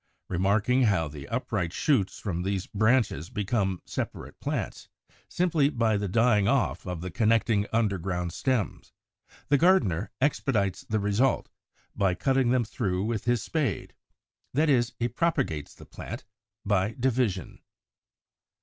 Remarking how the upright shoots from these branches become separate plants, simply by the dying off of the connecting under ground stems, the gardener expedites the result by cutting them through with his spade. That is, he propagates the plant "by division."